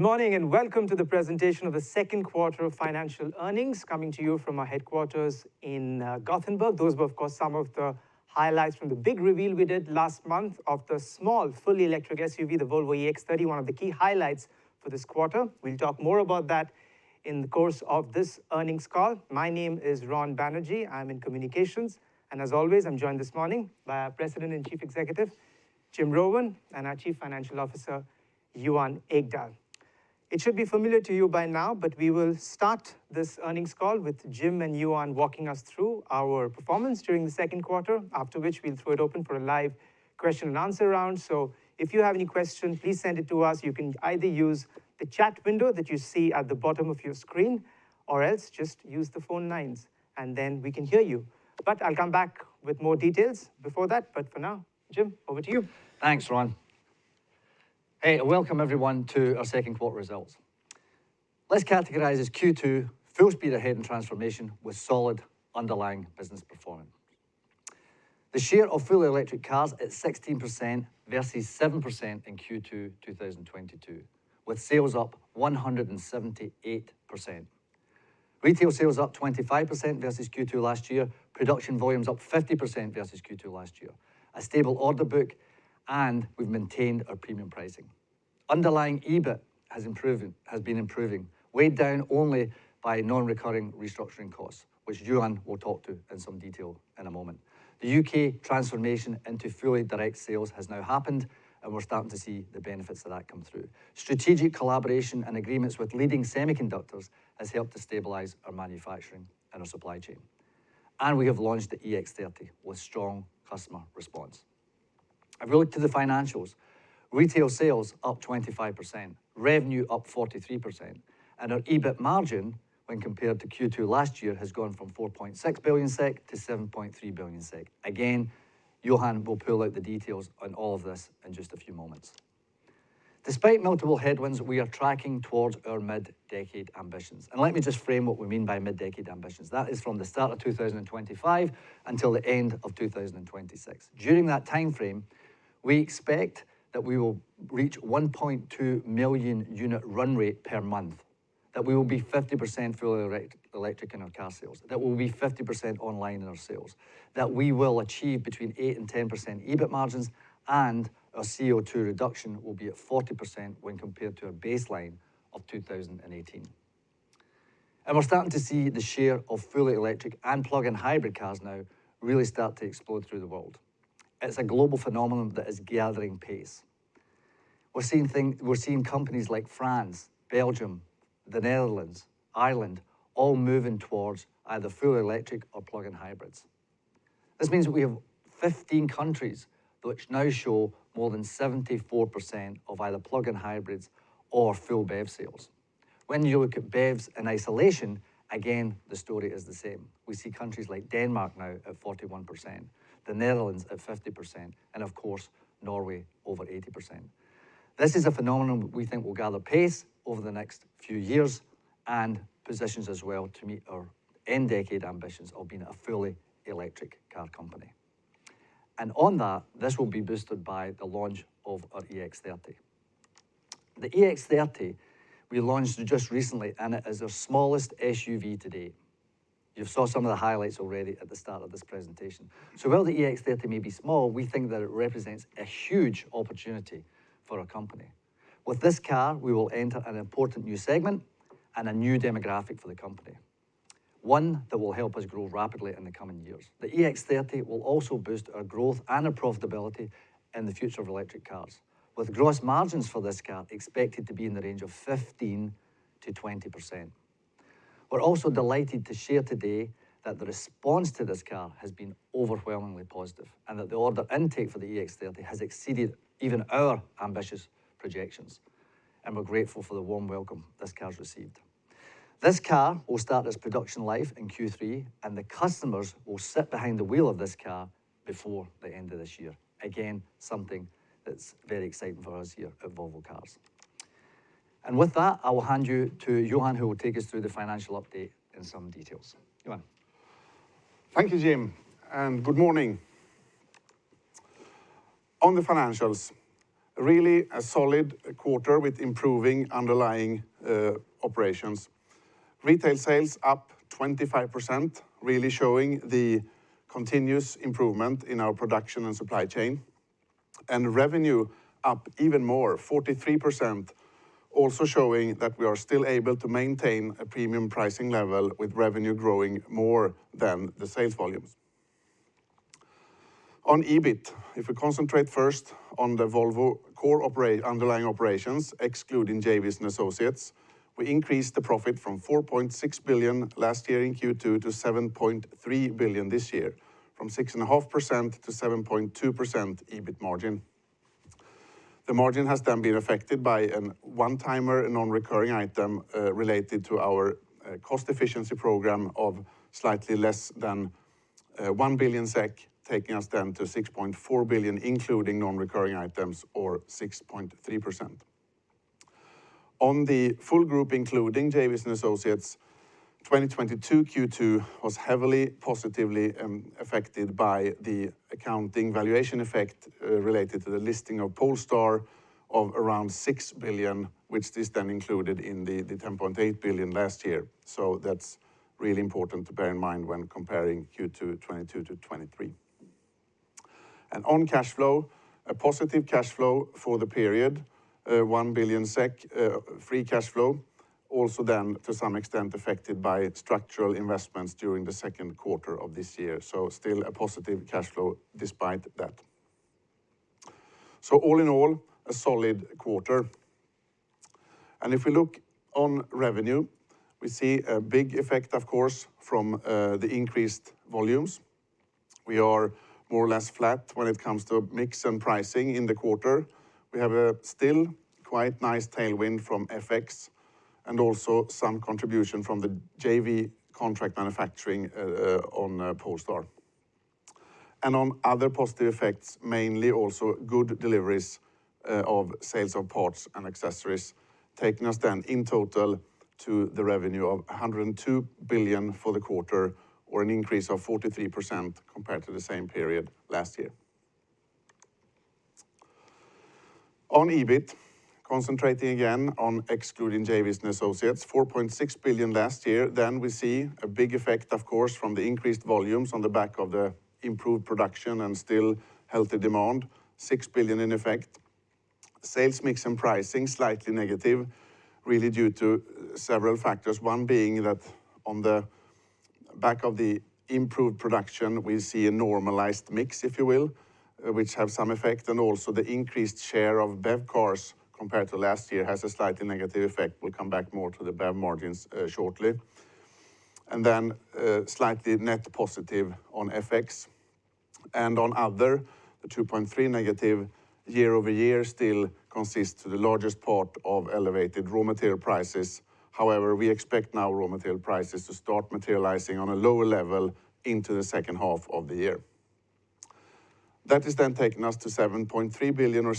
Good morning, and welcome to the presentation of the second quarter of financial earnings, coming to you from our headquarters in Gothenburg. Those were, of course, some of the highlights from the big reveal we did last month of the small, fully electric SUV, the Volvo EX30, one of the key highlights for this quarter. We'll talk more about that in the course of this earnings call. My name is Ronojoy Banerjee. I'm in Communications, and as always, I'm joined this morning by our President and Chief Executive, Jim Rowan, and our Chief Financial Officer, Johan Ekdahl. It should be familiar to you by now, but we will start this earnings call with Jim and Johan walking us through our performance during the second quarter, after which we'll throw it open for a live question-and-answer round. If you have any questions, please send it to us. You can either use the chat window that you see at the bottom of your screen, or else just use the phone lines, and then we can hear you. I'll come back with more details before that, but for now, Jim, over to you. Thanks, Ron. Hey, welcome everyone to our second quarter results. Let's categorize as Q2, full speed ahead in transformation with solid underlying business performance. The share of fully electric cars at 16% versus 7% in Q2 2022, with sales up 178%. Retail sales up 25% versus Q2 last year. Production volumes up 50% versus Q2 last year. A stable order book. We've maintained our premium pricing. Underlying EBIT has been improving, weighed down only by non-recurring restructuring costs, which Johan will talk to in some detail in a moment. The U.K. transformation into fully direct sales has now happened. We're starting to see the benefits of that come through. Strategic collaboration and agreements with leading semiconductors has helped to stabilize our manufacturing and our supply chain. We have launched the EX30 with strong customer response. If we look to the financials, retail sales up 25%, revenue up 43%, and our EBIT margin, when compared to Q2 last year, has gone from 4.6 billion-7.3 billion SEK. Johan will pull out the details on all of this in just a few moments. Despite multiple headwinds, we are tracking towards our mid-decade ambitions. Let me just frame what we mean by mid-decade ambitions. That is from the start of 2025 until the end of 2026. During that timeframe, we expect that we will reach 1.2 million unit run rate per month, that we will be 50% fully electric in our car sales, that we will be 50% online in our sales, that we will achieve between 8% and 10% EBIT margins, and our CO2 reduction will be at 40% when compared to a baseline of 2018. We're starting to see the share of fully electric and plug-in hybrid cars now really start to explode through the world. It's a global phenomenon that is gathering pace. We're seeing companies like France, Belgium, the Netherlands, Ireland, all moving towards either fully electric or plug-in hybrids. This means we have 15 countries which now show more than 74% of either plug-in hybrids or full BEV sales. When you look at BEVs in isolation, again, the story is the same. We see countries like Denmark now at 41%, the Netherlands at 50%, and of course, Norway over 80%. This is a phenomenon that we think will gather pace over the next few years and positions us well to meet our end-decade ambitions of being a fully electric car company. On that, this will be boosted by the launch of our EX30. The EX30 we launched just recently, and it is our smallest SUV to date. You saw some of the highlights already at the start of this presentation. While the EX30 may be small, we think that it represents a huge opportunity for our company. With this car, we will enter an important new segment and a new demographic for the company, one that will help us grow rapidly in the coming years. The EX30 will also boost our growth and our profitability in the future of electric cars, with gross margins for this car expected to be in the range of 15%-20%. We're also delighted to share today that the response to this car has been overwhelmingly positive, and that the order intake for the EX30 has exceeded even our ambitious projections. We're grateful for the warm welcome this car's received. This car will start its production life in Q3. The customers will sit behind the wheel of this car before the end of this year. Again, something that's very exciting for us here at Volvo Cars. With that, I will hand you to Johan, who will take us through the financial update in some details. Johan? Thank you, Jim. Good morning. On the financials, really a solid quarter with improving underlying operations. Retail sales up 25%, really showing the continuous improvement in our production and supply chain. Revenue up even more, 43%, also showing that we are still able to maintain a premium pricing level, with revenue growing more than the sales volumes. On EBIT, if we concentrate first on the Volvo core underlying operations, excluding JVs and associates, we increased the profit from 4.6 billion last year in Q2 to 7.3 billion this year, from 6.5%-7.2% EBIT margin. The margin has been affected by a one-timer, a non-recurring item, related to our cost efficiency program of slightly less than 1 billion SEK, taking us down to 6.4 billion, including non-recurring items, or 6.3%. On the full group, including JVs and associates. 2022 Q2 was heavily positively, affected by the accounting valuation effect, related to the listing of Polestar of around 6 billion, which this then included in the 10.8 billion last year. That's really important to bear in mind when comparing Q2 2022 to 2023. On cash flow, a positive cash flow for the period, 1 billion SEK free cash flow, also then to some extent affected by structural investments during the second quarter of this year. Still a positive cash flow despite that. All in all, a solid quarter. If we look on revenue, we see a big effect, of course, from, the increased volumes. We are more or less flat when it comes to mix and pricing in the quarter. We have a still quite nice tailwind from FX and also some contribution from the JV contract manufacturing on Polestar. On other positive effects, mainly also good deliveries of sales of parts and accessories, taking us then in total to the revenue of 102 billion for the quarter, or an increase of 43% compared to the same period last year. On EBIT, concentrating again on excluding JV and associates, 4.6 billion last year. We see a big effect, of course, from the increased volumes on the back of the improved production and still healthy demand, 6 billion in effect. Sales mix and pricing, slightly negative, really due to several factors. One being that on the back of the improved production, we see a normalized mix, if you will, which have some effect, and also the increased share of BEV cars compared to last year has a slightly negative effect. We'll come back more to the BEV margins shortly. Slightly net positive on FX and on other, the 2.3 negative year-over-year still consists the largest part of elevated raw material prices. However, we expect now raw material prices to start materializing on a lower level into the second half of the year. That has then taken us to 7.3 billion or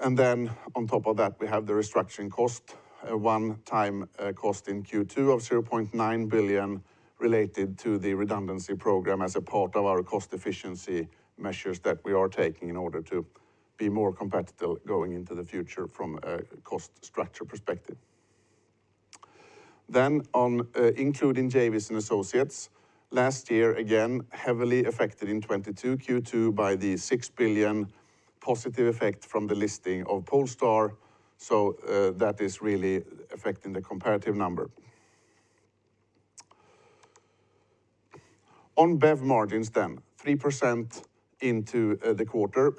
7.2%. On top of that, we have the restructuring cost, a one-time cost in Q2 of 0.9 billion related to the redundancy program as a part of our cost efficiency measures that we are taking in order to be more competitive going into the future from a cost structure perspective. Including JVs and associates, last year, again, heavily affected in 2022 Q2 by the 6 billion positive effect from the listing of Polestar. That is really affecting the comparative number. BEV margins then, 3% into the quarter.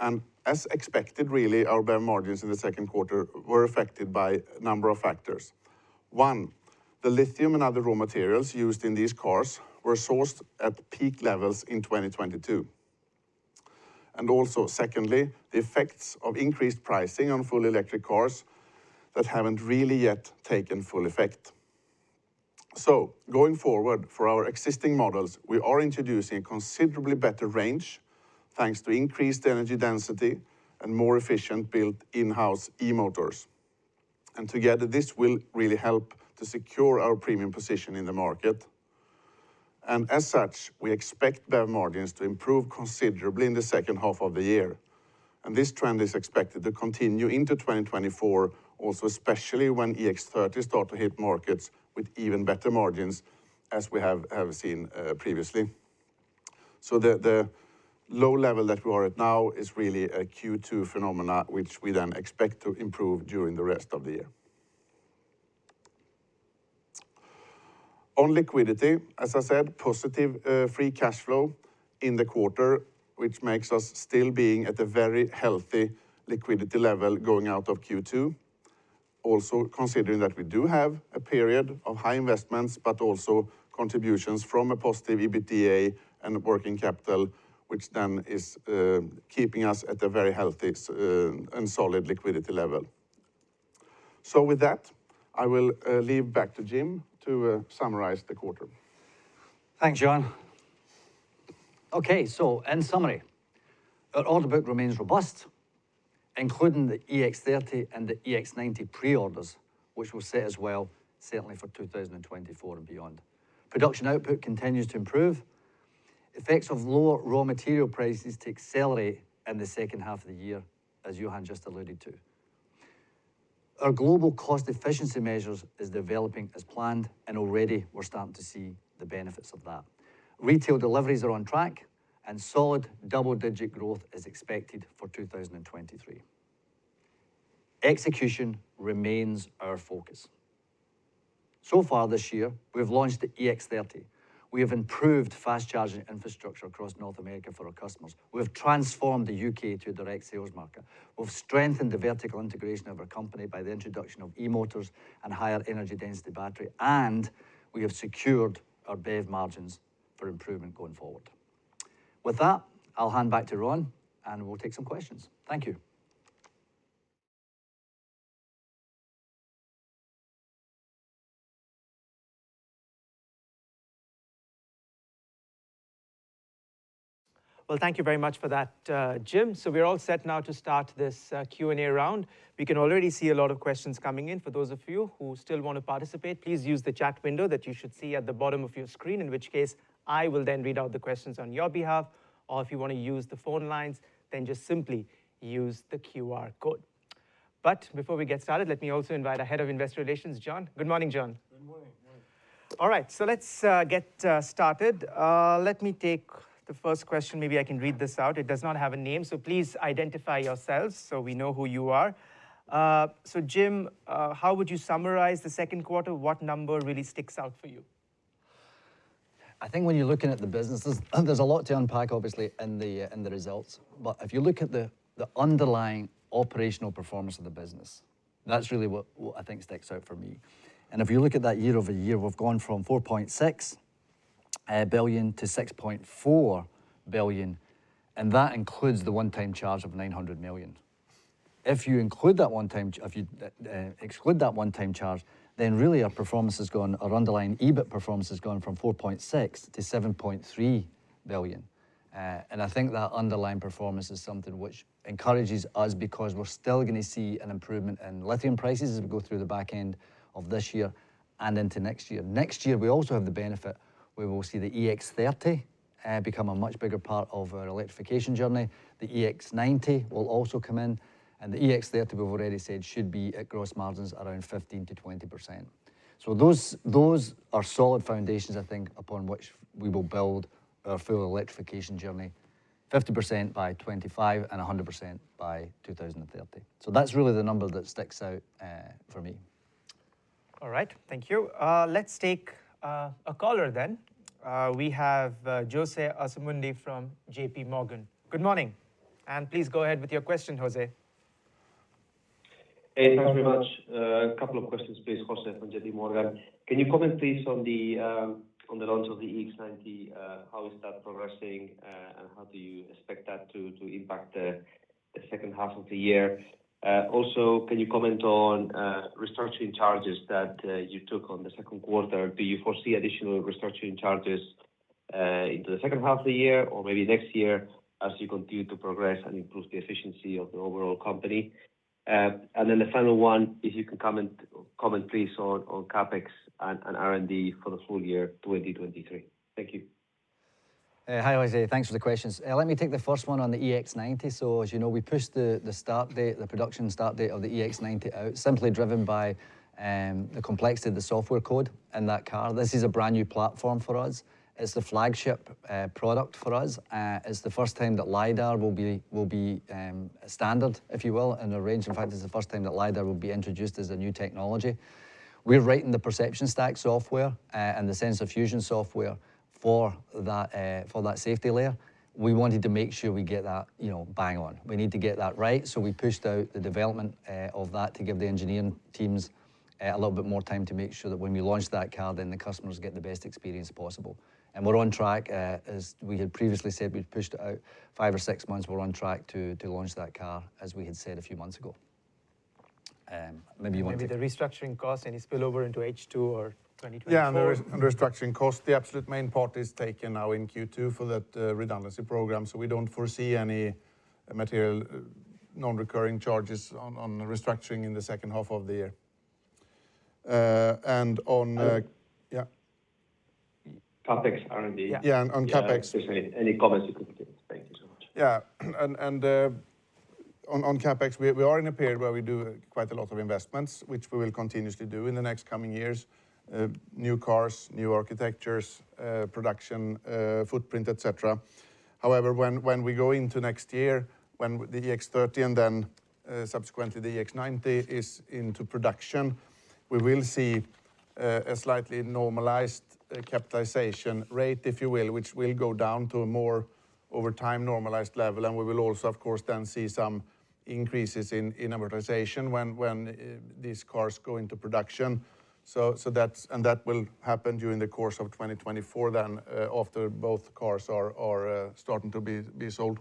As expected, really, our BEV margins in the second quarter were affected by a number of factors. One, the lithium and other raw materials used in these cars were sourced at peak levels in 2022. Also secondly, the effects of increased pricing on full electric cars that haven't really yet taken full effect. Going forward, for our existing models, we are introducing a considerably better range, thanks to increased energy density and more efficient built in-house e-motors. Together, this will really help to secure our premium position in the market. As such, we expect BEV margins to improve considerably in the second half of the year, and this trend is expected to continue into 2024, also, especially when EX30 start to hit markets with even better margins, as we have seen previously. The low level that we are at now is really a Q2 phenomena, which we then expect to improve during the rest of the year. On liquidity, as I said, positive free cash flow in the quarter, which makes us still being at a very healthy liquidity level going out of Q2. Also, considering that we do have a period of high investments, but also contributions from a positive EBITDA and working capital, which then is keeping us at a very healthy and solid liquidity level. With that, I will leave back to Jim to summarize the quarter. Thanks, Johan. Okay, in summary, our order book remains robust, including the EX30 and the EX90 pre-orders, which will set us well, certainly for 2024 and beyond. Production output continues to improve. Effects of lower raw material prices to accelerate in the second half of the year, as Johan just alluded to. Our global cost efficiency measures is developing as planned. Already we're starting to see the benefits of that. Retail deliveries are on track. Solid double-digit growth is expected for 2023. Execution remains our focus. So far this year, we have launched the EX30. We have improved fast-charging infrastructure across North America for our customers. We have transformed the U.K. to a direct sales market. We've strengthened the vertical integration of our company by the introduction of e-motors and higher energy density battery, and we have secured our BEV margins for improvement going forward. With that, I'll hand back to Ron, and we'll take some questions. Thank you. Well, thank you very much for that, Jim. We're all set now to start this Q&A round. We can already see a lot of questions coming in. For those of you who still want to participate, please use the chat window that you should see at the bottom of your screen, in which case I will then read out the questions on your behalf, or if you want to use the phone lines, then just simply use the QR code. Before we get started, let me also invite our Head of Investor Relations, John. Good morning, John. Good morning. All right, let's get started. Let me take the first question. Maybe I can read this out. It does not have a name, please identify yourselves so we know who you are. Jim, how would you summarize the second quarter? What number really sticks out for you? I think when you're looking at the businesses, there's a lot to unpack, obviously, in the results. If you look at the underlying operational performance of the business, that's really what I think sticks out for me. If you look at that year-over-year, we've gone from 4.6 billion-6.4 billion, and that includes the one-time charge of 900 million. If you include that one-time if you exclude that one-time charge, really our underlying EBIT performance has gone from 4.6 billion-7.3 billion. I think that underlying performance is something which encourages us because we're still gonna see an improvement in lithium prices as we go through the back end of this year and into next year. Next year, we also have the benefit where we will see the EX30 become a much bigger part of our electrification journey. The EX90 will also come in, and the EX30, we've already said, should be at gross margins around 15%-20%. Those are solid foundations, I think, upon which we will build our full electrification journey, 50% by 2025 and 100% by 2030. That's really the number that sticks out for me. All right. Thank you. Let's take a caller then. We have José Asumendi from JPMorgan. Good morning, and please go ahead with your question, José. Hey, thank you very much. A couple of questions, please. José from JPMorgan. Can you comment please on the launch of the EX90? How is that progressing, and how do you expect that to impact the second half of the year? Also, can you comment on restructuring charges that you took on the second quarter? Do you foresee additional restructuring charges into the second half of the year or maybe next year as you continue to progress and improve the efficiency of the overall company? The final one, if you can comment please on CapEx and R&D for the full year 2023. Thank you. Hi, José. Thanks for the questions. Let me take the first one on the EX90. As you know, we pushed the start date, the production start date of the EX90 out, simply driven by the complexity of the software code in that car. This is a brand-new platform for us. It's the flagship product for us, it's the first time that LiDAR will be a standard, if you will, in a range. It's the first time that LiDAR will be introduced as a new technology. We're writing the perception stack software and the sensor fusion software for that for that safety layer. We wanted to make sure we get that, you know, bang on. We need to get that right. We pushed out the development of that to give the engineering teams a little bit more time to make sure that when we launch that car, then the customers get the best experience possible. We're on track, as we had previously said, we've pushed it out five or six months. We're on track to launch that car, as we had said a few months ago. Maybe the restructuring cost, any spillover into H2 or 2024? And the restructuring cost, the absolute main part is taken now in Q2 for that redundancy program. We don't foresee any material non-recurring charges on restructuring in the second half of the year. And on. I would- Yeah. CapEx, R&D. Yeah, on CapEx. Any comments you could give? Thank you so much. On CapEx, we are in a period where we do quite a lot of investments, which we will continuously do in the next coming years. New cars, new architectures, production footprint, etc. However, when we go into next year, when the EX30 and then subsequently the EX90 is into production, we will see a slightly normalized capitalization rate, if you will, which will go down to a more over time normalized level. We will also, of course, then see some increases in amortization when these cars go into production. That will happen during the course of 2024 then, after both cars are starting to be sold.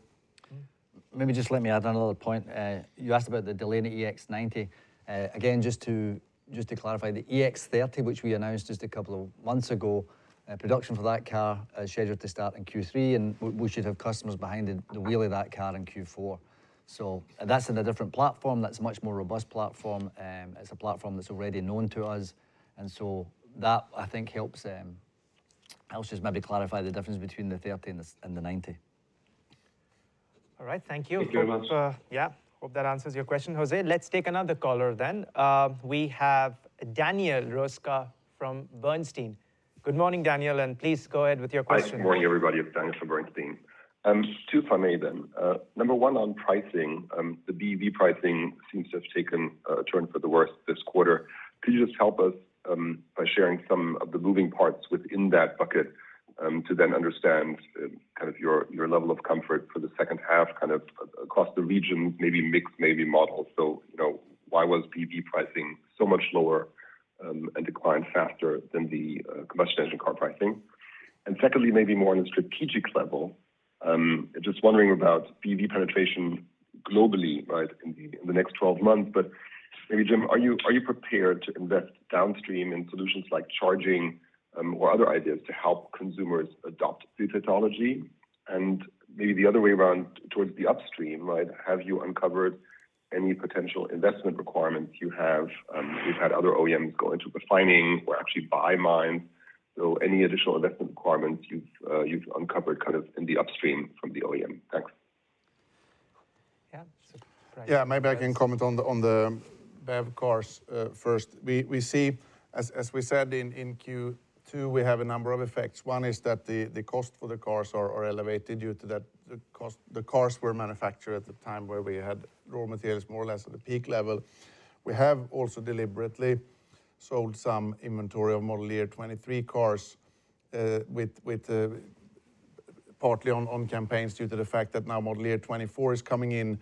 Maybe just let me add another point. You asked about the delay in the EX90. Again, just to clarify, the EX30, which we announced just a couple of months ago, production for that car is scheduled to start in Q3, and we should have customers behind the wheel of that car in Q4. That's in a different platform, that's a much more robust platform, it's a platform that's already known to us. That, I think, helps just maybe clarify the difference between the 30 and the 90. All right. Thank you. Thank you very much. Hope, yeah, hope that answers your question, José. Let's take another caller then. We have Daniel Roeska from Bernstein. Good morning, Daniel, and please go ahead with your question. Hi. Good morning, everybody. It's Daniel from Bernstein. Two for me then. Number one, on pricing, the BEV pricing seems to have taken a turn for the worst this quarter. Could you just help us by sharing some of the moving parts within that bucket to then understand kind of your level of comfort for the second half, across the region, maybe mix, maybe models? You know, why was BEV pricing so much lower, and declined faster than the combustion engine car pricing? Secondly, maybe more on a strategic level, just wondering about BEV penetration... Globally, right? In the next 12 months. Maybe, Jim, are you prepared to invest downstream in solutions like charging, or other ideas to help consumers adopt the technology? Maybe the other way around, towards the upstream, right, have you uncovered any potential investment requirements you have? We've had other OEMs go into refining or actually buy mines, so any additional investment requirements you've uncovered kind of in the upstream from the OEM? Thanks. Yeah. Yeah, maybe I can comment on the BEV cars first. We see, as we said in Q2, we have a number of effects. One is that the cost for the cars are elevated due to that the cars were manufactured at the time where we had raw materials more or less at a peak level. We have also deliberately sold some inventory of model year 2023 cars, with partly on campaigns, due to the fact that now model year 2024 is coming in,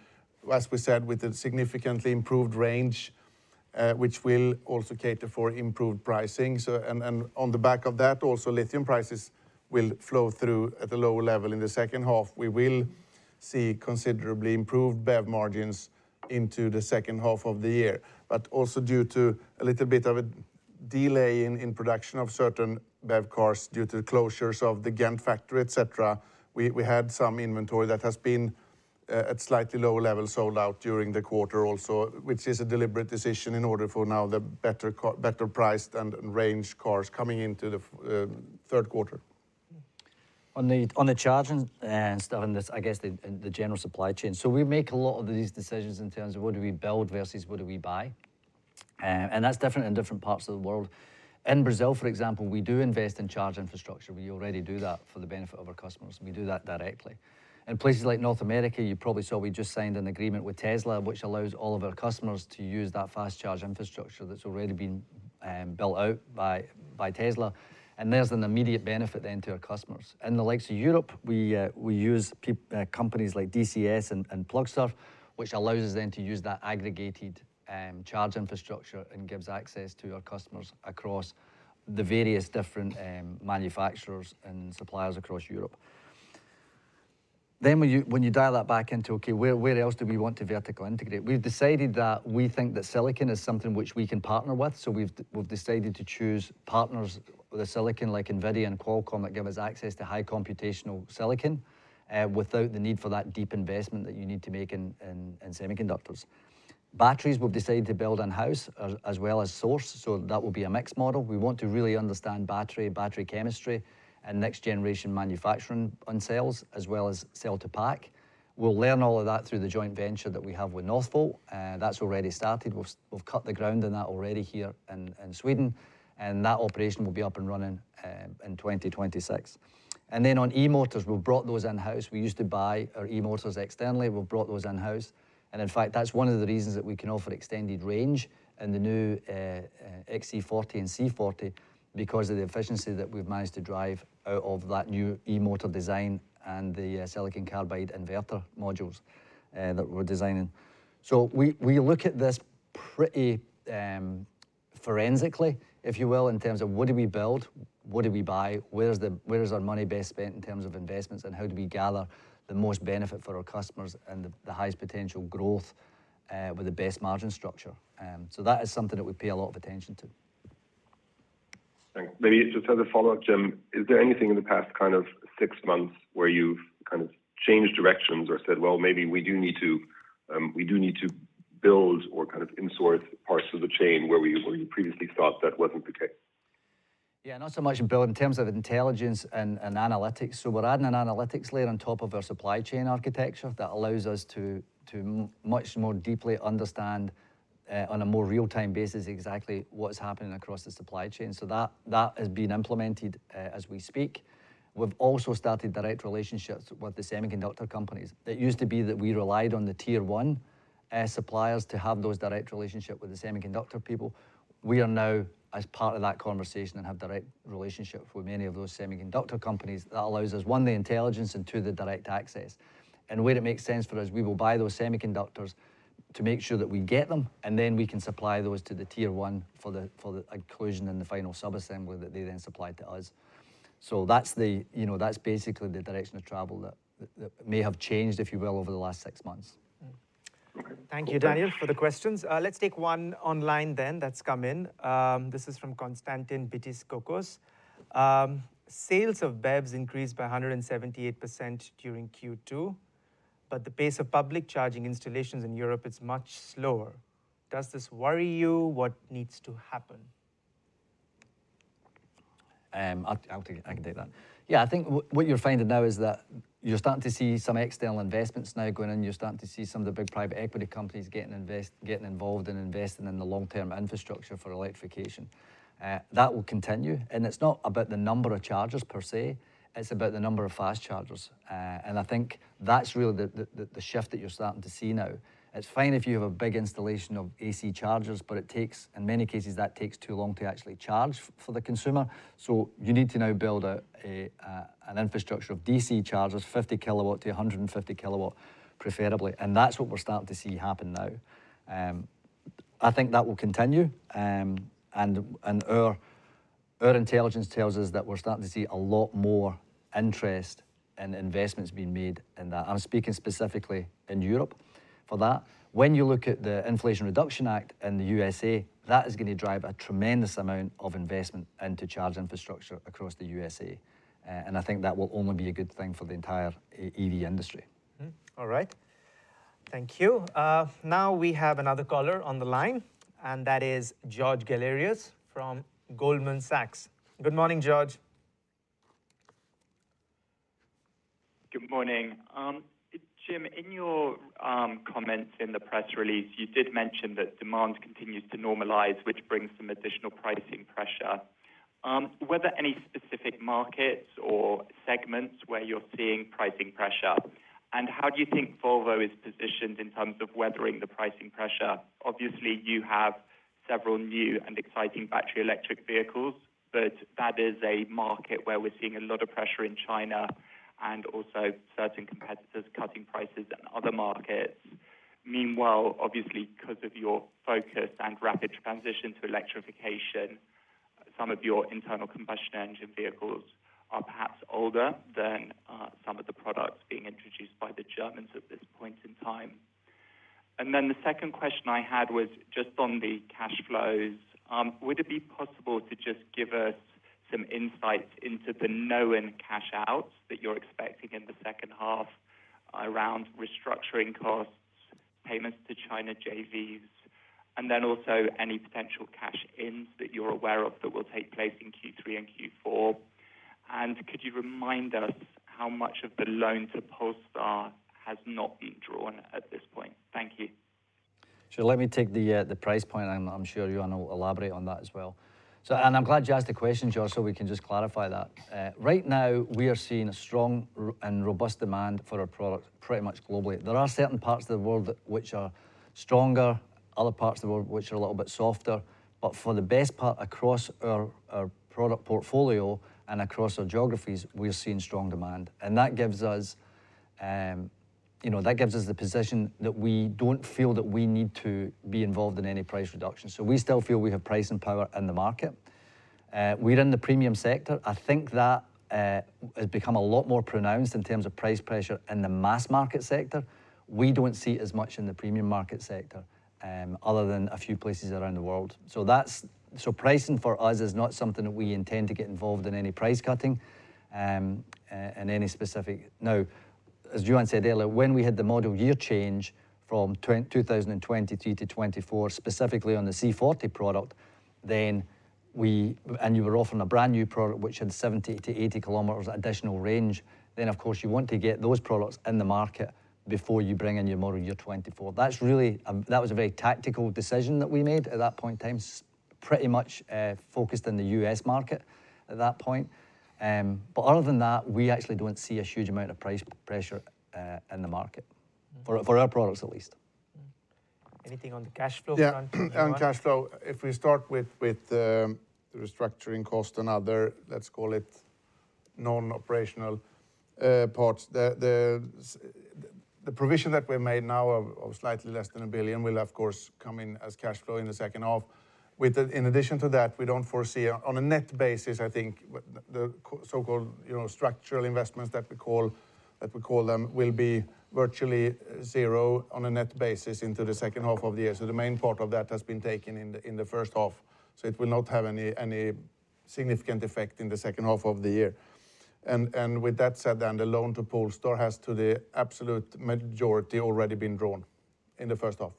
as we said, with a significantly improved range, which will also cater for improved pricing. On the back of that, also, lithium prices will flow through at a lower level in the second half. We will see considerably improved BEV margins into the second half of the year. Also due to a little bit of a delay in production of certain BEV cars due to the closures of the Ghent factory, et cetera, we had some inventory that has been at slightly lower levels sold out during the quarter also, which is a deliberate decision in order for now the better priced and ranged cars coming into the third quarter. On the charging stuff, and this, I guess the general supply chain. We make a lot of these decisions in terms of what do we build versus what do we buy? That's different in different parts of the world. In Brazil, for example, we do invest in charge infrastructure. We already do that for the benefit of our customers, and we do that directly. In places like North America, you probably saw we just signed an agreement with Tesla, which allows all of our customers to use that fast charge infrastructure that's already been built out by Tesla, there's an immediate benefit then to our customers. In the likes of Europe, we use companies like DCS and Plugsurfing, which allows us then to use that aggregated charge infrastructure and gives access to our customers across the various different manufacturers and suppliers across Europe. When you, when you dial that back into, okay, where else do we want to vertically integrate? We've decided that we think that silicon is something which we can partner with, so we've decided to choose partners with a silicon like NVIDIA and Qualcomm that give us access to high computational silicon without the need for that deep investment that you need to make in semiconductors. Batteries, we've decided to build in-house, as well as source, so that will be a mixed model. We want to really understand battery chemistry and next generation manufacturing on cells, as well as cell-to-pack. We'll learn all of that through the joint venture that we have with Northvolt, that's already started. We've cut the ground on that already here in Sweden, and that operation will be up and running in 2026. Then on e-motors, we've brought those in-house. We used to buy our e-motors externally, we've brought those in-house. In fact, that's one of the reasons that we can offer extended range in the new XC40 and C40, because of the efficiency that we've managed to drive out of that new e-motor design and the silicon carbide inverter modules that we're designing. We look at this pretty forensically, if you will, in terms of what do we build, what do we buy, where is our money best spent in terms of investments, and how do we gather the most benefit for our customers and the highest potential growth with the best margin structure? That is something that we pay a lot of attention to. Thanks. Maybe just as a follow-up, Jim, is there anything in the past kind of six months where you've kind of changed directions or said, "Well, maybe we do need to, we do need to build or kind of insource parts of the chain where we, where we previously thought that wasn't the case? Not so much in build. In terms of intelligence and analytics, we're adding an analytics layer on top of our supply chain architecture that allows us to much more deeply understand on a more real-time basis, exactly what is happening across the supply chain. That is being implemented as we speak. We've also started direct relationships with the semiconductor companies. It used to be that we relied on the tier one suppliers to have those direct relationship with the semiconductor people. We are now, as part of that conversation, and have direct relationship with many of those semiconductor companies. That allows us, one, the intelligence, and two, the direct access. Where it makes sense for us, we will buy those semiconductors to make sure that we get them, and then we can supply those to the tier one for the inclusion and the final sub-assembly that they then supply to us. That's the, you know, that's basically the direction of travel that may have changed, if you will, over the last six months. Okay. Thank you, Daniel, for the questions. Let's take one online then, that's come in. This is from Konstantinos Bitzilios: "Sales of BEVs increased by 178% during Q2, but the pace of public charging installations in Europe is much slower. Does this worry you? What needs to happen? I'll take it. I can take that. I think what you're finding now is that you're starting to see some external investments now going in. You're starting to see some of the big private equity companies getting involved and investing in the long-term infrastructure for electrification. That will continue, and it's not about the number of chargers per se, it's about the number of fast chargers. I think that's really the shift that you're starting to see now. It's fine if you have a big installation of AC chargers, but it takes, in many cases, that takes too long to actually charge for the consumer. You need to now build an infrastructure of D.C. chargers, 50 kW to 150 kW, preferably, and that's what we're starting to see happen now. I think that will continue. Our intelligence tells us that we're starting to see a lot more interest and investments being made in that. I'm speaking specifically in Europe for that. When you look at the Inflation Reduction Act in the USA, that is going to drive a tremendous amount of investment into charge infrastructure across the USA. I think that will only be a good thing for the entire EV industry. All right. Thank you. Now we have another caller on the line. That is George Galliers from Goldman Sachs. Good morning, George. Good morning. Jim, in your comments in the press release, you did mention that demand continues to normalize, which brings some additional pricing pressure. Were there any specific markets or segments where you're seeing pricing pressure? How do you think Volvo is positioned in terms of weathering the pricing pressure? Obviously, you have several new and exciting battery electric vehicles, but that is a market where we're seeing a lot of pressure in China and also certain competitors cutting prices in other markets. Meanwhile, obviously, because of your focus and rapid transition to electrification, some of your internal combustion engine vehicles are perhaps older than some of the products being introduced by the Germans at this point in time. The second question I had was just on the cash flows. Would it be possible to just give us some insight into the known cash outs that you're expecting in the second half around restructuring costs, payments to China JVs, and then also any potential cash ins that you're aware of that will take place in Q3 and Q4? Could you remind us how much of the loan to Polestar has not been drawn at this point? Thank you. Let me take the price point, and I'm sure Johan will elaborate on that as well. I'm glad you asked the question, George, so we can just clarify that. Right now, we are seeing a strong and robust demand for our product pretty much globally. There are certain parts of the world that, which are stronger, other parts of the world which are a little bit softer. For the best part, across our product portfolio and across our geographies, we're seeing strong demand. That gives us, you know, that gives us the position that we don't feel that we need to be involved in any price reduction. We still feel we have pricing power in the market. We're in the premium sector. I think that it has become a lot more pronounced in terms of price pressure in the mass market sector. We don't see it as much in the premium market sector, other than a few places around the world. Pricing for us is not something that we intend to get involved in any price cutting in any specific... As Johan said earlier, when we had the model year change from 2023 to 2024, specifically on the C40 product, then you were offering a brand-new product which had 70 to 80 km additional range, then, of course, you want to get those products in the market before you bring in your model year 2024. That's really, that was a very tactical decision that we made at that point in time, pretty much focused in the U.S. market at that point. Other than that, we actually don't see a huge amount of price pressure in the market, for our products at least. Anything on the cash flow front, Johan? Yeah. On cash flow, if we start with the restructuring cost and other, let's call it non-operational parts, the provision that we've made now of slightly less than 1 billion will, of course, come in as cash flow in the second half. With the, in addition to that, we don't foresee on a net basis, I think, the so-called, you know, structural investments that we call them, will be virtually zero on a net basis into the second half of the year. The main part of that has been taken in the first half, so it will not have any significant effect in the second half of the year. With that said, then the loan to Polestar has to the absolute majority already been drawn in the first half.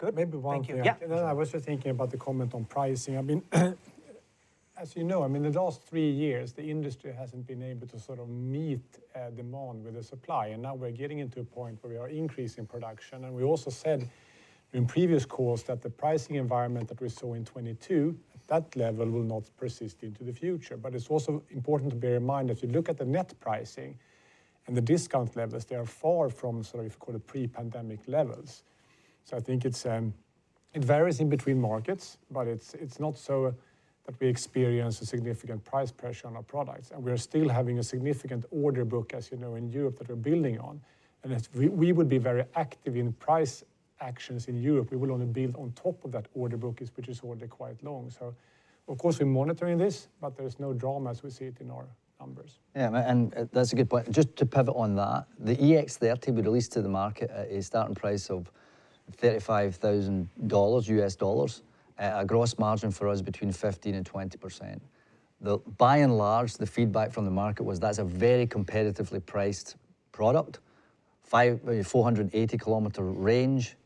Good. Thank you. Yeah. I was just thinking about the comment on pricing. I mean, as you know, I mean, the last three years, the industry hasn't been able to sort of meet demand with the supply, and now we're getting into a point where we are increasing production. We also said in previous calls that the pricing environment that we saw in 2022, that level will not persist into the future. It's also important to bear in mind, as you look at the net pricing and the discount levels, they are far from sort of, call it, pre-pandemic levels. I think it's, it varies in between markets, but it's not so that we experience a significant price pressure on our products. We are still having a significant order book, as you know, in Europe, that we're building on. As we would be very active in price actions in Europe. We will only build on top of that order book, which is already quite long. Of course, we're monitoring this, but there's no drama as we see it in our numbers. That's a good point. Just to pivot on that, the EX30 we released to the market at a starting price of $35,000 at a gross margin for us between 15% and 20%. By and large, the feedback from the market was that's a very competitively priced product. 480 km range,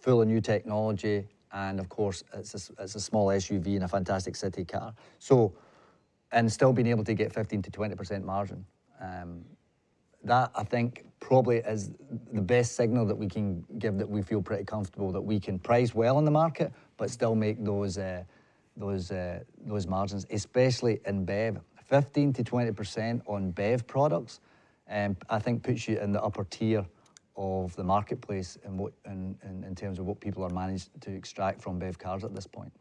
full of new technology, and of course, it's a small SUV and a fantastic city car. Still being able to get 15%-20% margin, that, I think, probably is the best signal that we can give, that we feel pretty comfortable that we can price well in the market but still make those, those margins, especially in BEV. 15%-20% on BEV products, I think puts you in the upper tier of the marketplace in what, in terms of what people are managed to extract from BEV cars at this point.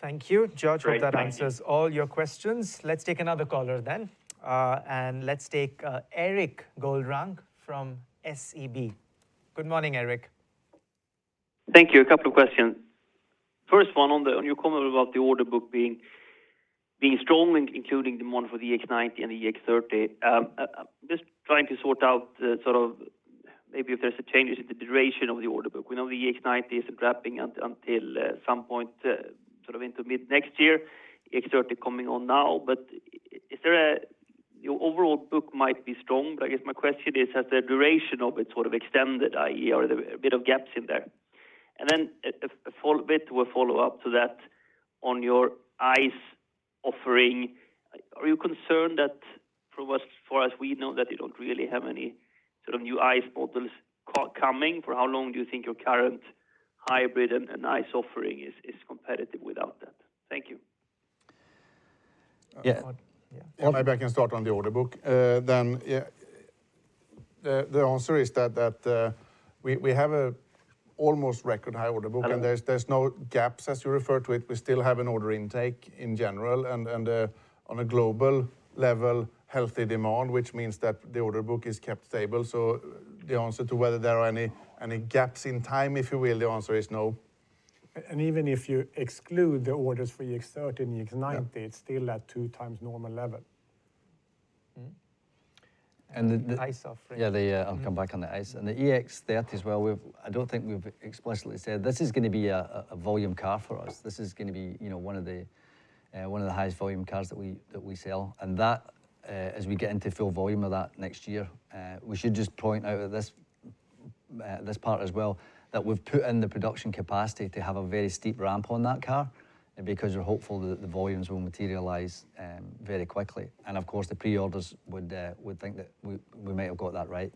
Thank you, George. Great, thank you. Hope that answers all your questions. Let's take another caller then. Let's take Erik Golrang from SEB. Good morning, Eric. Thank you. A couple of questions. First one, on your comment about the order book being strong, including the one for the EX90 and the EX30. Just trying to sort out the sort of maybe if there's a changes in the duration of the order book. We know the EX90 is wrapping up until some point sort of into mid next year, EX30 coming on now. Your overall book might be strong, but I guess my question is, has the duration of it sort of extended, i.e., are there a bit of gaps in there? Then a bit of a follow-up to that on your ICE offering. Are you concerned that for as we know, that you don't really have any sort of new ICE models coming? For how long do you think your current hybrid and ICE offering is competitive without that? Thank you. Yeah. Yeah. Maybe I can start on the order book. Yeah, the answer is that, we have a almost record high order book- Uh-huh There's no gaps, as you refer to it. We still have an order intake in general and on a global level, healthy demand, which means that the order book is kept stable. The answer to whether there are any gaps in time, if you will, the answer is no. Even if you exclude the orders for EX30 and EX90. Yeah... It's still at two times normal level. Mm-hmm. The ICE offering. Yeah, I'll come back on the ICE. The EX30 as well, we've, I don't think we've explicitly said this is gonna be a volume car for us. This is gonna be, you know, one of the highest volume cars that we sell. That, as we get into full volume of that next year, we should just point out at this part as well, that we've put in the production capacity to have a very steep ramp on that car, because we're hopeful that the volumes will materialize very quickly. Of course, the pre-orders would think that we may have got that right.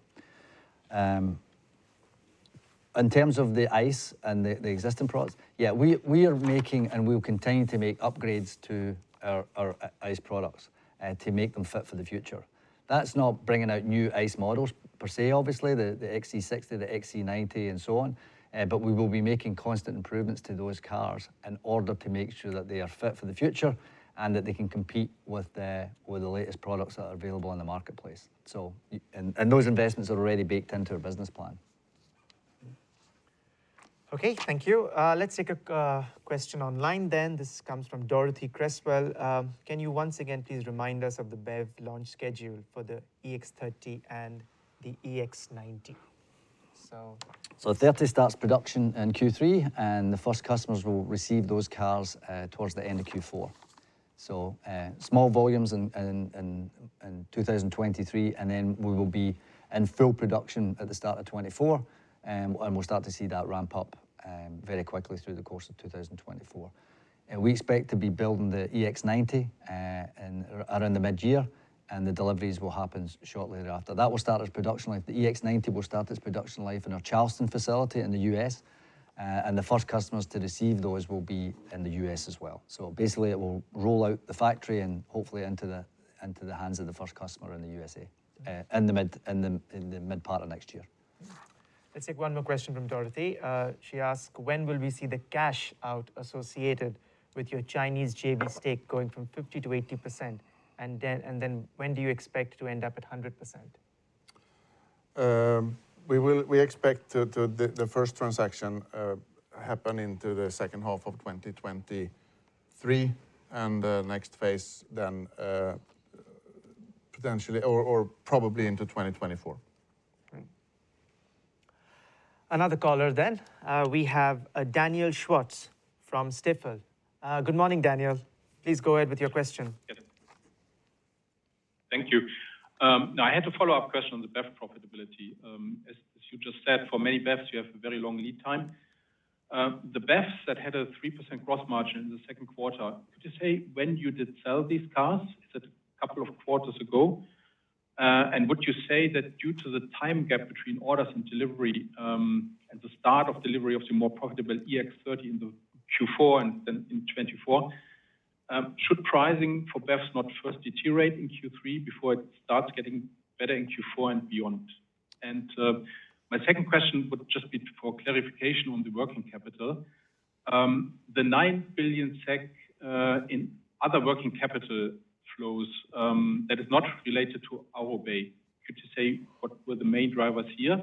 In terms of the ICE and the existing products, we are making and we'll continue to make upgrades to our ICE products to make them fit for the future. That's not bringing out new ICE models per se, obviously, the XC60, the XC90, and so on. We will be making constant improvements to those cars in order to make sure that they are fit for the future, and that they can compete with the latest products that are available in the marketplace. Those investments are already baked into our business plan. Okay, thank you. Let's take a question online then. This comes from Dorothee Cresswell. "Can you once again please remind us of the BEV launch schedule for the EX30 and the EX90? EX30 starts production in Q3, and the first customers will receive those cars towards the end of Q4. Small volumes in 2023, and then we will be in full production at the start of 2024, and we'll start to see that ramp up very quickly through the course of 2024. We expect to be building the EX90 in, around the mid-year, and the deliveries will happen shortly thereafter. That will start its production life. The EX90 will start its production life in our Charleston facility in the U.S., and the first customers to receive those will be in the U.S. as well. Basically it will roll out the factory and hopefully into the hands of the first customer in the U.S.A. in the mid, in the mid part of next year. Let's take one more question from Dorothee. She asked: When will we see the cash out associated with your Chinese JV stake going from 50%-80%? When do you expect to end up at 100%? We expect the first transaction happen into the second half of 2023. The next phase then, potentially probably into 2024. Okay. Another caller then. We have a Daniel Schwarz from Stifel. Good morning, Daniel. Please go ahead with your question. Thank you. Now I had a follow-up question on the BEV profitability. As you just said, for many BEVs, you have a very long lead time. The BEVs that had a 3% gross margin in the second quarter, could you say when you did sell these cars, is it a couple of quarters ago? And would you say that due to the time gap between orders and delivery, and the start of delivery of the more profitable EX30 in the Q4 and then in 2024, should pricing for BEVs not first deteriorate in Q3 before it starts getting better in Q4 and beyond? My second question would just be for clarification on the working capital. The 9 billion SEK in other working capital flows, that is not related to our bay, could you say what were the main drivers here?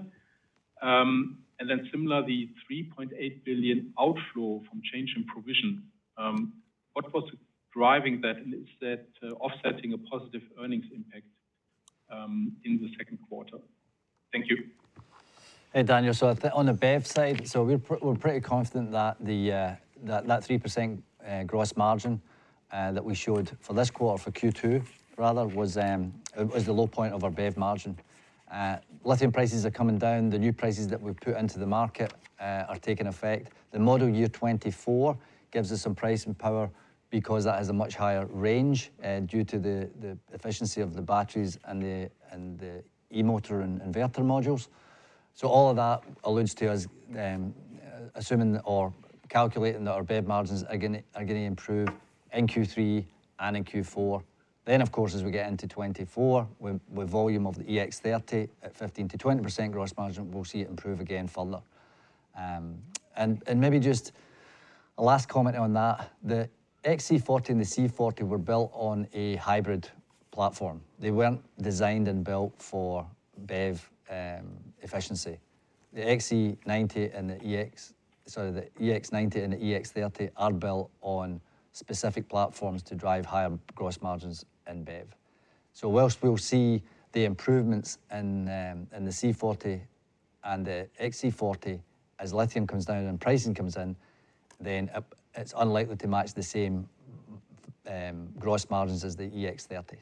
Similarly, the 3.8 billion outflow from change in provision, what was driving that, and is that offsetting a positive earnings impact in the second quarter? Thank you. Hey, Daniel. On the BEV side, we're pretty confident that the 3% gross margin that we showed for this quarter, for Q2 rather, was the low point of our BEV margin. Lithium prices are coming down. The new prices that we've put into the market are taking effect. The model year 2024 gives us some pricing power because that has a much higher range due to the efficiency of the batteries and the e-motor and inverter modules. All of that alludes to us assuming or calculating that our BEV margins are gonna improve in Q3 and in Q4. Of course, as we get into 2024, with volume of the EX30 at 15%-20% gross margin, we'll see it improve again further. Maybe just a last comment on that, the XC40 and the C40 were built on a hybrid platform. They weren't designed and built for BEV efficiency. The XC90 and the EX90 and the EX30 are built on specific platforms to drive higher gross margins in BEV. Whilst we'll see the improvements in the C40 and the XC40 as lithium comes down and pricing comes in, it's unlikely to match the same gross margins as the EX30.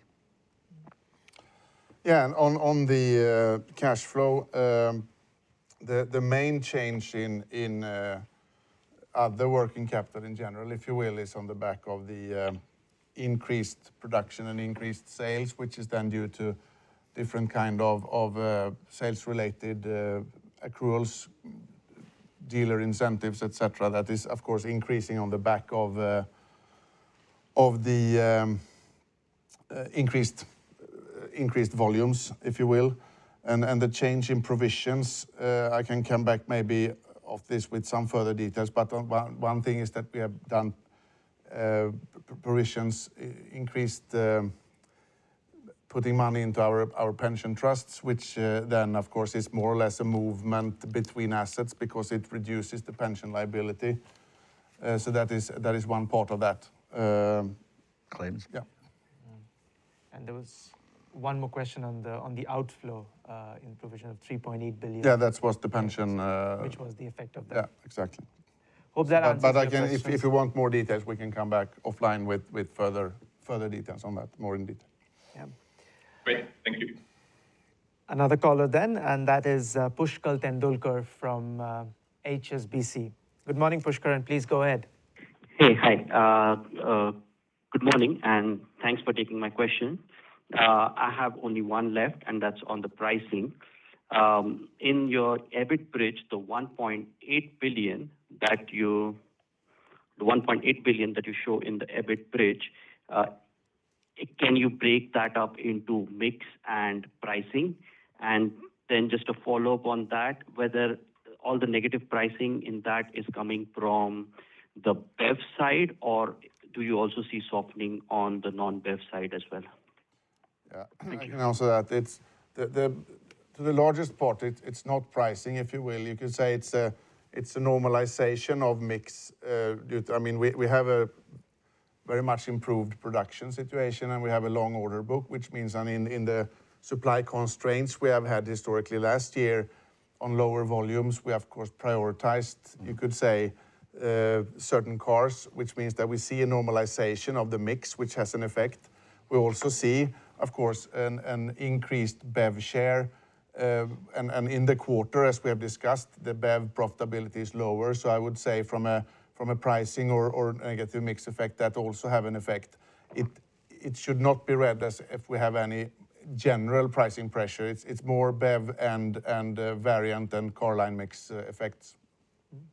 On the cash flow, the main change in at the working capital in general, if you will, is on the back of the increased production and increased sales, which is then due to different kind of sales-related accruals, dealer incentives, et cetera. That is, of course, increasing on the back of of the increased volumes, if you will, and the change in provisions. I can come back maybe of this with some further details, but one thing is that we have done provisions, increased, putting money into our pension trusts, which then, of course, is more or less a movement between assets because it reduces the pension liability. That is one part of that. Claims. Yeah. There was one more question on the, on the outflow, in provision of 3.8 billion. Yeah, that was the pension. Which was the effect of that. Yeah, exactly. Hope that answers. Again, if you want more details, we can come back offline with further details on that, more in detail. Yeah. Great, thank you. Another caller, and that is Pushkar Tendolkar from HSBC. Good morning, Pushkar. Please go ahead. Hey, hi. Good morning, and thanks for taking my question. I have only one left, and that's on the pricing. In your EBIT bridge, the 1.8 billion that you show in the EBIT bridge, can you break that up into mix and pricing? Just a follow-up on that, whether all the negative pricing in that is coming from the BEV side, or do you also see softening on the non-BEV side as well? Yeah. Thank you. I can answer that. It's the to the largest part, it's not pricing, if you will. You could say it's a normalization of mix due to... I mean, we have a very much improved production situation, and we have a long order book, which means, I mean, in the supply constraints we have had historically last year on lower volumes, we have, of course, prioritized, you could say, certain cars, which means that we see a normalization of the mix, which has an effect. We also see, of course, an increased BEV share, and in the quarter, as we have discussed, the BEV profitability is lower. I would say from a pricing or I get the mix effect, that also have an effect. It should not be read as if we have any general pricing pressure. It's more BEV and variant and car line mix effects. Mm-hmm.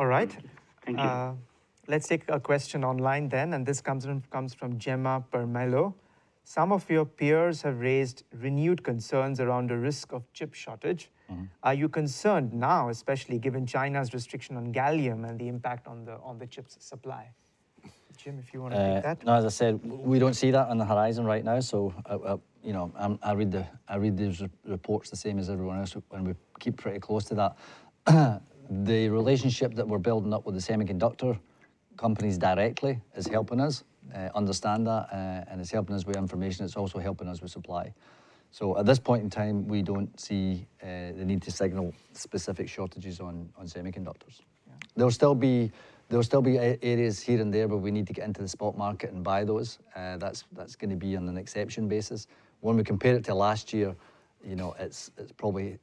All right. Thank you. Let's take a question online then, this comes from Gemma Almecija. "Some of your peers have raised renewed concerns around the risk of chip shortage. Mm-hmm. Are you concerned now, especially given China's restriction on gallium and the impact on the chips supply? Jim, if you wanna take that. No, as I said, we don't see that on the horizon right now, so I, you know, I read the reports the same as everyone else, and we keep pretty close to that. The relationship that we're building up with the semiconductor companies directly is helping us understand that, and it's helping us with information, it's also helping us with supply. At this point in time, we don't see the need to signal specific shortages on semiconductors. Yeah. There will still be areas here and there, where we need to get into the spot market and buy those. That's gonna be on an exception basis. When we compare it to last year, you know, it's probably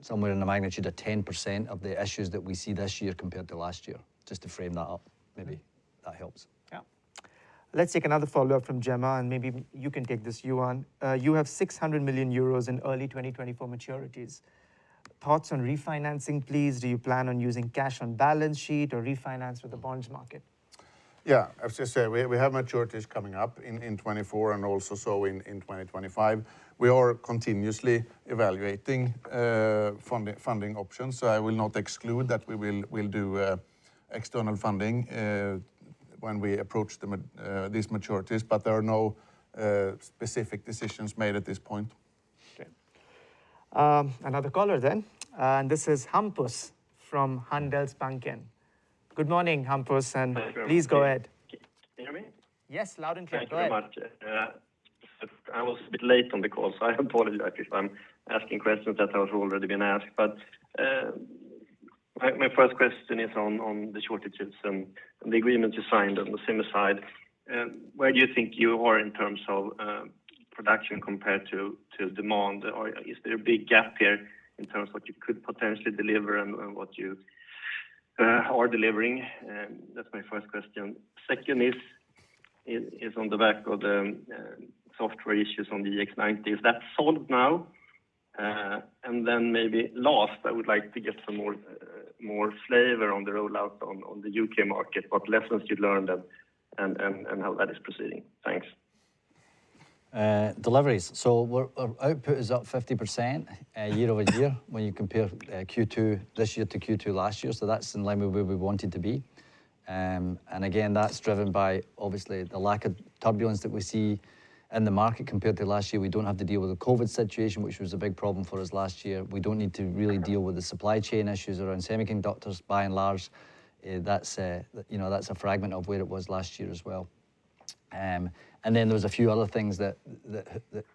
somewhere in the magnitude of 10% of the issues that we see this year compared to last year. Just to frame that up, maybe that helps. Yeah. Let's take another follow-up from Gemma, and maybe you can take this, Johan. You have 600 million euros in early 2024 maturities. Thoughts on refinancing, please? Do you plan on using cash on balance sheet or refinance with the bonds market? As I say, we have maturities coming up in 2024 and also in 2025. We are continuously evaluating funding options, so I will not exclude that we'll do an external funding when we approach these maturities, but there are no specific decisions made at this point. Okay. Another caller then, and this is Hampus from Handelsbanken. Good morning, Hampus. Hello Please go ahead. Can you hear me? Yes, loud and clear. Go ahead. Thank you very much. I was a bit late on the call, so I apologize if I'm asking questions that have already been asked. My first question is on the shortages and the agreements you signed on the semi side. Where do you think you are in terms of production compared to demand? Is there a big gap here in terms of what you could potentially deliver and what you are delivering? That's my first question. Second is on the back of the software issues on the EX90. Is that solved now? Maybe last, I would like to get some more flavor on the rollout on the U.K. market. What lessons you learned and how that is proceeding? Thanks. Deliveries. Our output is up 50% year-over-year when you compare Q2 this year to Q2 last year, that's in line with where we wanted to be. Again, that's driven by obviously the lack of turbulence that we see in the market compared to last year. We don't have to deal with the COVID situation, which was a big problem for us last year. We don't need to really deal with the supply chain issues around semiconductors. By and large, that's a, you know, that's a fragment of where it was last year as well. There was a few other things that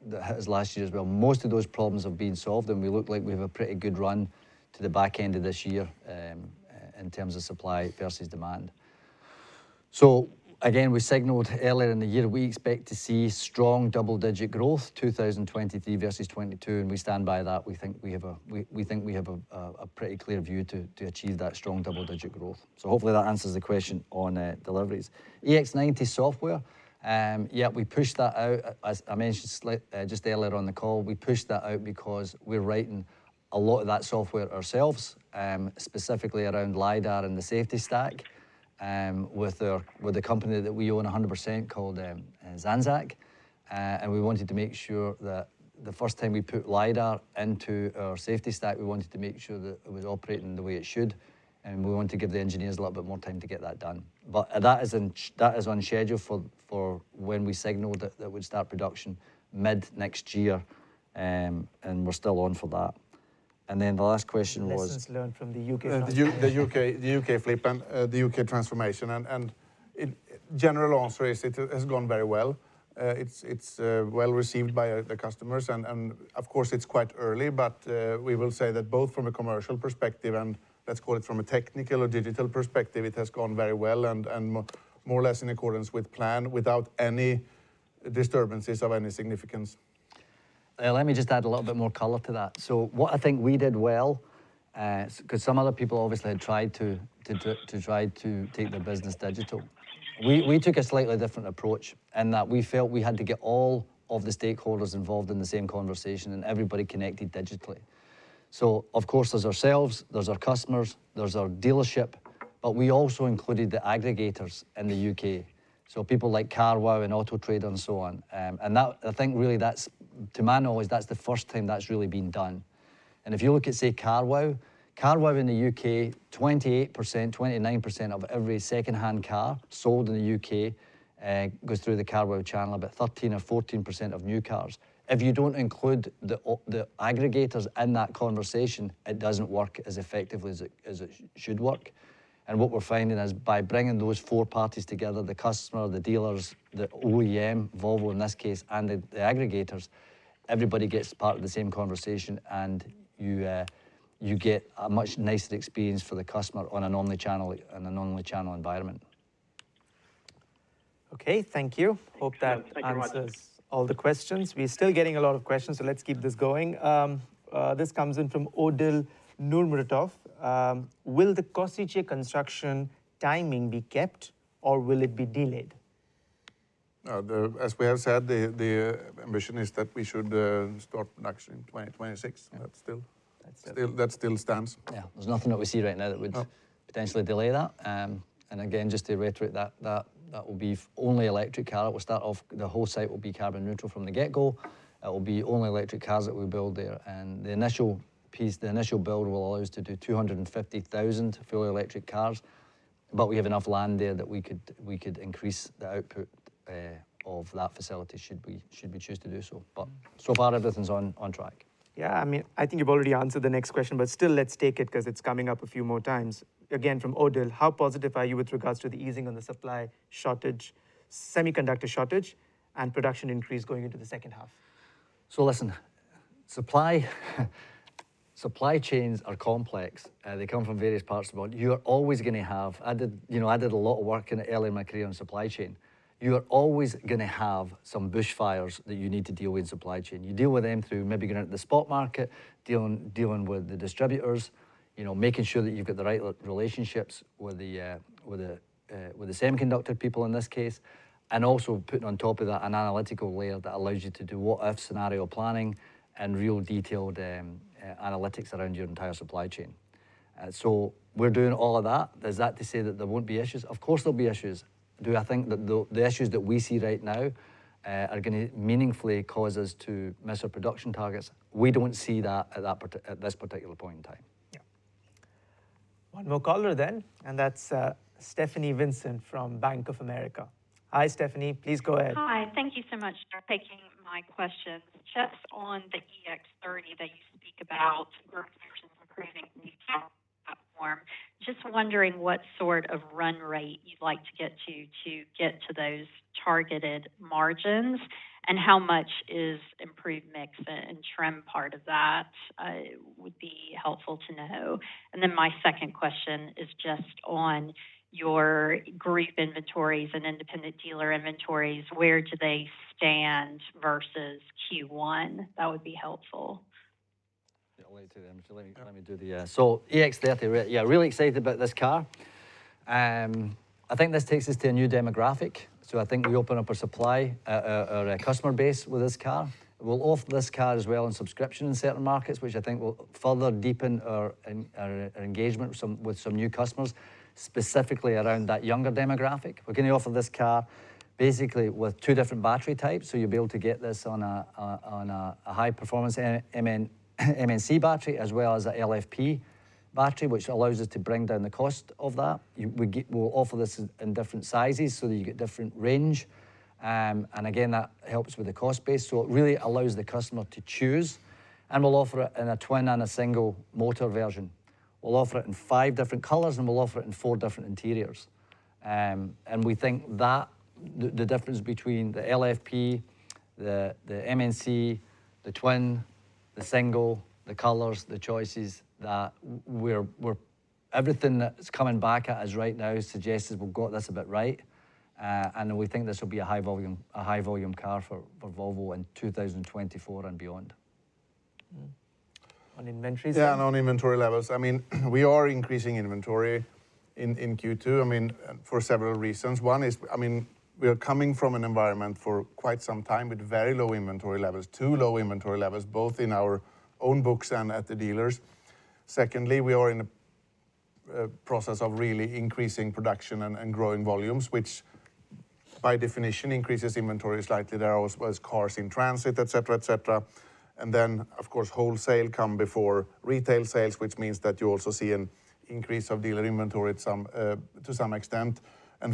was last year as well. Most of those problems have been solved. We look like we have a pretty good run to the back end of this year in terms of supply versus demand. Again, we signaled earlier in the year, we expect to see strong double-digit growth, 2023 versus 2022, and we stand by that. We think we have a pretty clear view to achieve that strong double-digit growth. Hopefully that answers the question on deliveries. EX90 software, yeah, we pushed that out. As I mentioned just earlier on the call, we pushed that out because we're writing a lot of that software ourselves, specifically around LiDAR and the safety stack, with our, with the company that we own 100%, called Zenseact. We wanted to make sure that the first time we put LiDAR into our safety stack, we wanted to make sure that it was operating the way it should, and we wanted to give the engineers a little bit more time to get that done. That is on schedule for when we signaled that we'd start production mid next year, and we're still on for that. The last question was- Lessons learned from the U.K. The U.K., the U.K. flip and the U.K. transformation. General answer is it has gone very well. It's well received by the customers and of course it's quite early, but we will say that both from a commercial perspective and, let's call it from a technical or digital perspective, it has gone very well and more or less in accordance with plan, without any disturbances of any significance. Let me just add a little bit more color to that. What I think we did well, 'cause some other people obviously had tried to take their business digital. We took a slightly different approach in that we felt we had to get all of the stakeholders involved in the same conversation and everybody connected digitally. Of course, there's ourselves, there's our customers, there's our dealership, but we also included the aggregators in the U.K., so people like Carwow and Autotrader and so on. That, I think really that's, to my knowledge, that's the first time that's really been done. If you look at, say, Carwow in the U.K., 28%, 29% of every secondhand car sold in the U.K., goes through the Carwow channel, about 13% or 14% of new cars. If you don't include the aggregators in that conversation, it doesn't work as effectively as it should work. What we're finding is by bringing those four parties together, the customer, the dealers, the OEM, Volvo in this case, and the aggregators, everybody gets part of the same conversation, and you get a much nicer experience for the customer on an omnichannel, in an omnichannel environment. Okay, thank you. Thank you. Hope that answers. Thank you very much.... All the questions. We're still getting a lot of questions, so let's keep this going. This comes in from Odell Nurmatov. Will the Košice construction timing be kept or will it be delayed? The, as we have said, the ambition is that we should start production in 2026. Yeah. That's. That's it. Still, that still stands. Yeah. There's nothing that we see right now that. No... Potentially delay that. Again, just to reiterate that will be only electric car. It will start off, the whole site will be carbon neutral from the get-go. It will be only electric cars that we build there. The initial piece, the initial build will allow us to do 250,000 fully electric cars, we have enough land there that we could increase the output of that facility should we, should we choose to do so. So far, everything's on track. Yeah, I mean, I think you've already answered the next question, but still let's take it 'cause it's coming up a few more times. Again, from Odell: How positive are you with regards to the easing on the supply shortage, semiconductor shortage, and production increase going into the second half? Listen, supply chains are complex. They come from various parts of the world. You are always gonna have. I did, you know, I did a lot of work in early in my career on supply chain. You are always gonna have some bushfires that you need to deal with in supply chain. You deal with them through maybe going out to the spot market, dealing with the distributors, you know, making sure that you've got the right relationships with the semiconductor people in this case. Also putting on top of that an analytical layer that allows you to do what-if scenario planning and real detailed analytics around your entire supply chain. We're doing all of that. There's that to say that there won't be issues. Of course, there'll be issues. Do I think that the issues that we see right now, are gonna meaningfully cause us to miss our production targets? We don't see that at this particular point in time. Yeah. One more caller then, and that's Stephanie Vincent from Bank of America. Hi, Stephanie, please go ahead. Hi, thank you so much for taking my questions. Just on the EX30 that you speak about, creating new platform, just wondering what sort of run rate you'd like to get to get to those targeted margins, and how much is improved mix and trim part of that, would be helpful to know. My second question is just on your group inventories and independent dealer inventories, where do they stand versus Q1? That would be helpful.... Yeah, I'll let you do them. Let me do the. EX30, yeah, really excited about this car. I think this takes us to a new demographic, so I think we open up our supply, our customer base with this car. We'll offer this car as well on subscription in certain markets, which I think will further deepen our engagement with some new customers, specifically around that younger demographic. We're going to offer this car basically with two different battery types, so you'll be able to get this on a high-performance NMC battery, as well as a LFP battery, which allows us to bring down the cost of that. We'll offer this in different sizes, so that you get different range. Again, that helps with the cost base. It really allows the customer to choose, and we'll offer it in a twin and a single motor version. We'll offer it in five different colors, and we'll offer it in four different interiors. We think that the difference between the LFP, the NMC, the twin, the single, the colors, the choices, that we're... Everything that's coming back at us right now suggests that we've got this a bit right. We think this will be a high volume car for Volvo in 2024 and beyond. Mm-hmm. On inventory? On inventory levels, I mean, we are increasing inventory in Q2. I mean, for several reasons. One is, I mean, we are coming from an environment for quite some time with very low inventory levels, too low inventory levels, both in our own books and at the dealers. Secondly, we are in a process of really increasing production and growing volumes, which by definition increases inventory slightly. There are also cars in transit, et cetera, et cetera. Of course, wholesale come before retail sales, which means that you also see an increase of dealer inventory to some extent.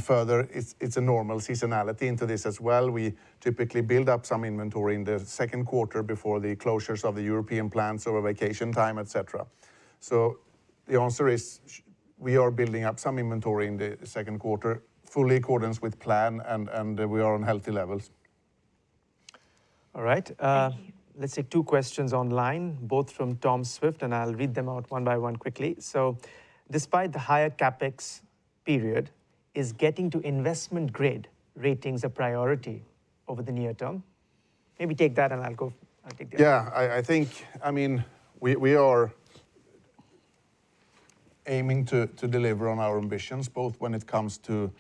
Further, it's a normal seasonality into this as well. We typically build up some inventory in the second quarter before the closures of the European plants over vacation time, et cetera. The answer is, we are building up some inventory in the second quarter, full accordance with plan, and we are on healthy levels. All right. Thank you. Let's take two questions online, both from Tom Narayan, and I'll read them out one by one quickly. Despite the higher CapEx period, is getting to investment grade ratings a priority over the near term? Maybe take that, and I'll take the other. Yeah, I think, I mean, we are aiming to deliver on our ambitions, both when it comes to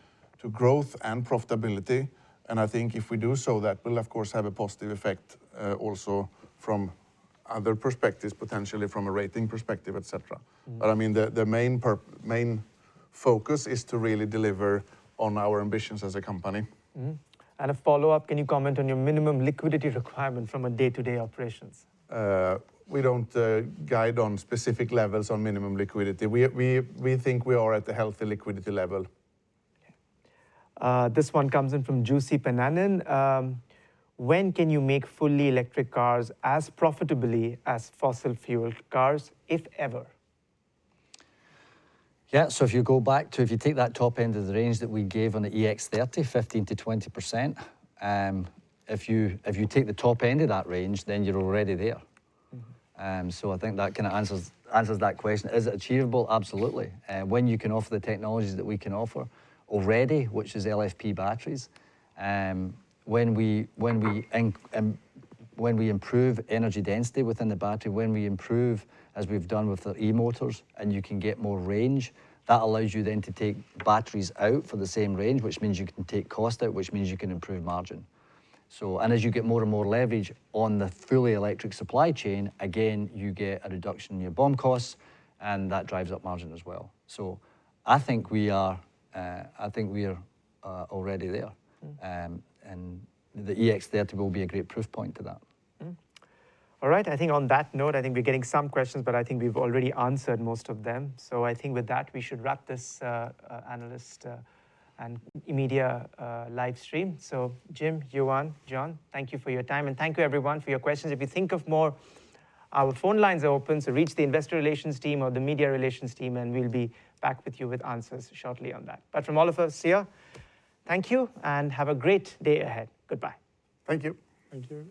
growth and profitability, and I think if we do so, that will, of course, have a positive effect also from other perspectives, potentially from a rating perspective, et cetera. Mm-hmm. I mean, the main focus is to really deliver on our ambitions as a company. Mm-hmm. A follow-up, can you comment on your minimum liquidity requirement from a day-to-day operations? We don't guide on specific levels on minimum liquidity. We think we are at a healthy liquidity level. Okay. This one comes in from Jussi Pynnönen. When can you make fully electric cars as profitably as fossil fuel cars, if ever? Yeah, if you go back to, if you take that top end of the range that we gave on the EX30, 15%-20%, if you take the top end of that range, then you're already there. Mm-hmm. I think that kinda answers that question. Is it achievable? Absolutely. When you can offer the technologies that we can offer already, which is LFP batteries, when we improve energy density within the battery, when we improve, as we've done with the e-motors, and you can get more range, that allows you then to take batteries out for the same range, which means you can take cost out, which means you can improve margin. As you get more and more leverage on the fully electric supply chain, again, you get a reduction in your BOM costs, and that drives up margin as well. I think we are already there. Mm-hmm. The EX30 will be a great proof point to that. All right, I think on that note, I think we're getting some questions, but I think we've already answered most of them. I think with that, we should wrap this analyst and media live stream. Jim, Johan, John, thank you for your time, and thank you everyone for your questions. If you think of more, our phone lines are open, so reach the investor relations team or the media relations team, and we'll be back with you with answers shortly on that. From all of us here, thank you and have a great day ahead. Goodbye. Thank you. Thank you.